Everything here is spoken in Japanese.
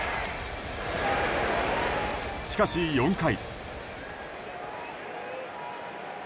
しかし、４回。